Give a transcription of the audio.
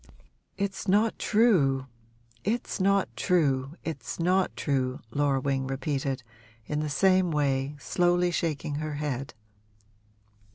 'It's not true it's not true it's not true,' Laura Wing repeated, in the same way, slowly shaking her head.